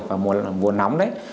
vào mùa nóng đấy